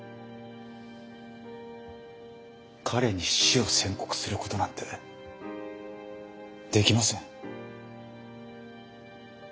彼に死を宣告することなんてできません。